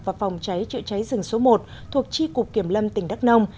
và phòng cháy chữa cháy rừng số một thuộc tri cục kiểm lâm tỉnh đắk nông